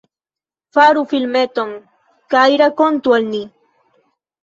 Faru filmeton kaj rakontu al ni!